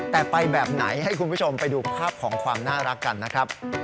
แต่ไปแบบไหนให้คุณผู้ชมไปดูภาพของความน่ารักกันนะครับ